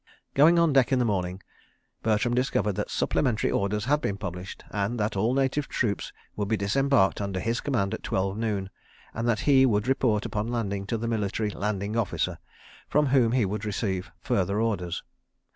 ... Going on deck in the morning, Bertram discovered that supplementary orders had been published, and that all native troops would be disembarked under his command at twelve noon, and that he would report, upon landing, to the Military Landing Officer, from whom he would receive further orders.